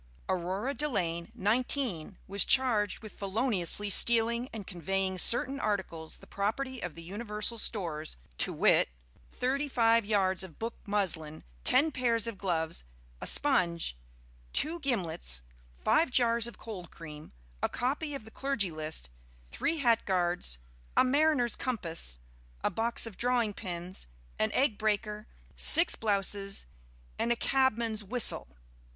Aurora Delaine, 19, was charged with feloniously stealing and conveying certain articles the property of the Universal Stores, to wit, thirty five yards of book muslin, ten pairs of gloves, a sponge, two gimlets, five jars of cold cream, a copy of the Clergy List, three hat guards, a mariner's compass, a box of drawing pins, an egg breaker, six blouses, and a cabman's whistle.